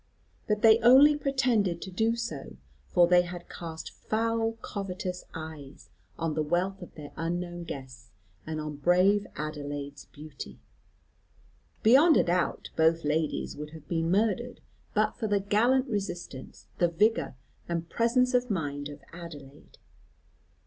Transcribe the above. But they only pretended to do so; for they had cast foul covetous eyes on the wealth of their unknown guests and on brave Adelaide's beauty. Beyond a doubt both ladies would have been murdered, but for the gallant resistance, the vigour, and presence of mind of Adelaide.